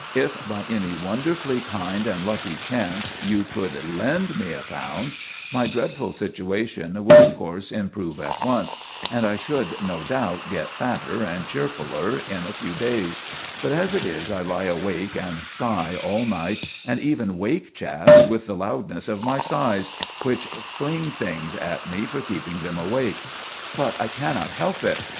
If by any wonderfully kind and lucky chance you could lend me a pound, my dreadful situation would, of course, improve at once, and I should, no doubt, get fatter and cheerfuller in a few days; but as it is I lie awake and sigh all night, and even wake chaps with the loudness of my sighs, which fling things at me for keeping them awake. But I cannot help it.